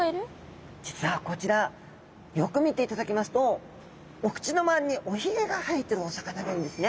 実はこちらよく見ていただきますとお口の周りにおひげが生えてるお魚がいるんですね。